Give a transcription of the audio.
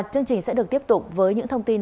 chương trình sẽ được tiếp tục với những thông tin